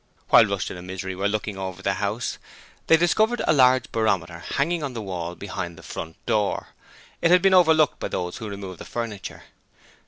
While Rushton and Misery were looking over the house they discovered a large barometer hanging on the wall behind the front door: it had been overlooked by those who removed the furniture.